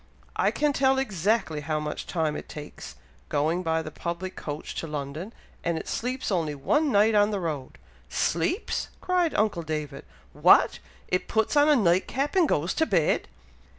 "I can tell exactly how much time it takes going by the public coach to London, and it sleeps only one night on the road." "Sleeps!" cried uncle David. "What! it puts on a night cap, and goes to bed?"